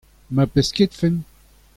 ma pesketfen.